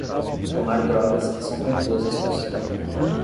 Tomar drogas que são confusas por si